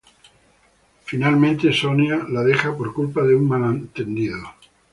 Finalmente Sonia la deja por culpa de un malentendido.